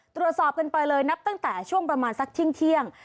ตรวจสอบกันไปเลยนับตั้งแต่ช่วงประมาณสักเที่ยง